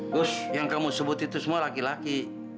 gus yang kamu sebut itu semua laki laki